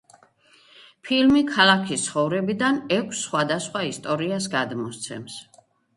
ფილმი ქალაქის ცხოვრებიდან ექვს სხვადასხვა ისტორიას გადმოსცემს.